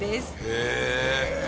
へえ！